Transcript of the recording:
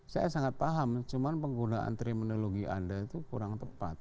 saya sangat paham cuman penggunaan terminologi anda itu kurang tepat